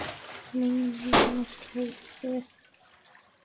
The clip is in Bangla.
আমার মনে হয় এটা নষ্ট হয়ে গেছে।